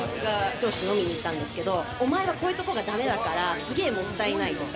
上司と飲みに行ったんですけどお前はこういうことがダメだからすげえもったいないとか。